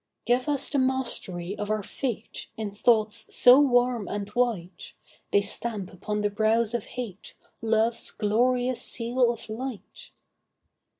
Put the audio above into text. Give us the mastery of our fate In thoughts so warm and white, They stamp upon the brows of hate Love's glorious seal of light.